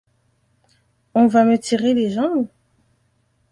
On va me tirer les jambes ?